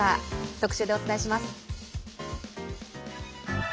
特集でお伝えします。